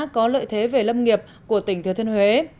có lợi thế về lâm nghiệp của tỉnh thừa thiên huế